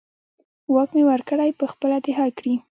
واک مې ورکړی، په خپله دې حل کړي.